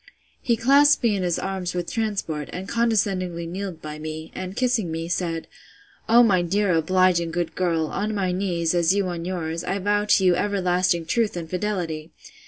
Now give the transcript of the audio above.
He clasped me in his arms with transport, and condescendingly kneeled by me, and kissing me, said, O my dear obliging good girl, on my knees, as you on yours, I vow to you everlasting truth and fidelity!